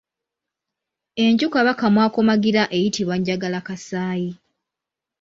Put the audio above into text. Enju kabaka mw’akomagira eyitibwa Njagalakasaayi.